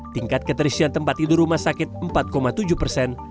tingkat keterisian tempat tidur rumah sakit empat tujuh persen